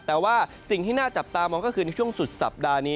แต่ว่าสิ่งที่น่าจับตามองก็คือในช่วงสุดสัปดาห์นี้